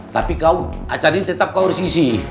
tapi kau acaranya tetap kau harus ngisi